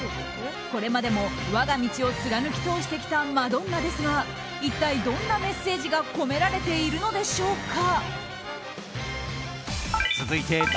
これまでも、我が道を貫き通してきたマドンナですが一体どんなメッセージが込められているのでしょうか。